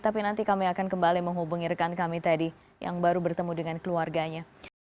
tapi nanti kami akan kembali menghubungi rekan kami tadi yang baru bertemu dengan keluarganya